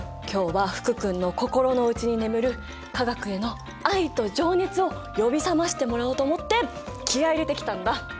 今日は福君の心の内に眠る化学への愛と情熱を呼び覚ましてもらおうと思って気合い入れてきたんだ。